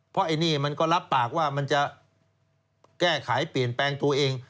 เพราะไอ้นี่มันก็รับปากว่ามันจะแก้ไขเปลี่ยนแปลงตัวเอง